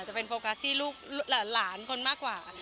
จะเป็นโฟกัสที่ลูกหลานคนมากกว่า